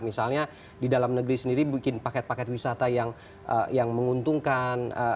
misalnya di dalam negeri sendiri bikin paket paket wisata yang menguntungkan